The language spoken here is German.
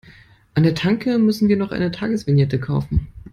An der Tanke müssen wir noch eine Tagesvignette kaufen.